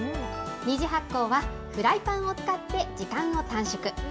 ２次発酵はフライパンを使って時間を短縮。